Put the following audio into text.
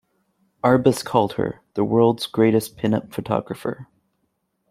Arbus called her, the world's greatest pinup photographer.